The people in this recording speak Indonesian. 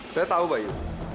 saya tau bayu